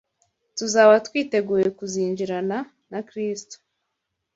tuzaba twiteguye kuzinjirana na Kristo